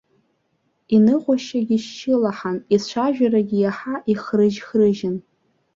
Иныҟәашьагьы шьшьылаҳан, ицәажәарагьы иаҳа ихрыжь-хрыжьын.